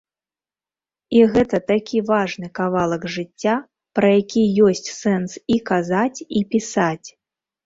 І гэта такі важны кавалак жыцця, пра які ёсць сэнс і казаць, і пісаць.